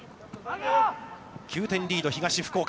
９点リード、東福岡。